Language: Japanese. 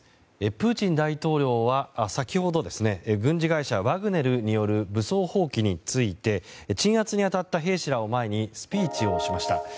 プーチン大統領は先ほど、軍事会社ワグネルによる武装蜂起について鎮圧に当たった兵士らを前にスピーチをしました。